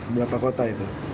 berapa kota itu